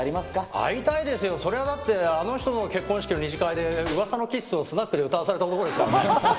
会いたいですよ、それはだって、あの人の結婚式の二次会でうわさのキッスを歌わされた男ですよ。